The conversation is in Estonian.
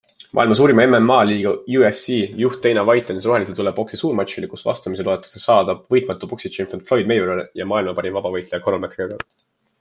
Maailma suurima MMA liiga UFC juht Dana White andis rohelise tule poksi suurmatšile, kus vastamisi loodetakse saata võitmatu poksitšempion Floyd Mayweather ja maailma parim vabavõitleja Conor McGregor.